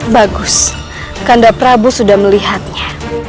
bagus karena prabu sudah melihatnya